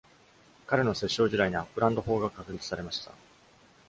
彼の摂政時代に、アップランド法が確立されました。